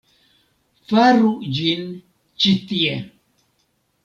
Faru ĝin ĉi tie!